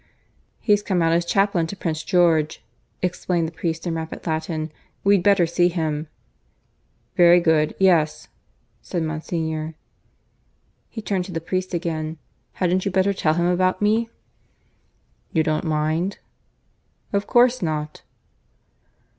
"He's come out as chaplain to Prince George," explained the priest in rapid Latin. "We'd better see him." "Very good. ... Yes," said Monsignor. He turned to the priest again. "Hadn't you better tell him about me?" "You don't mind?" "Of course not."